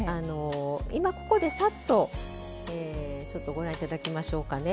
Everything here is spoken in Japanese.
今、ここで、さっとちょっとご覧いただきましょうかね。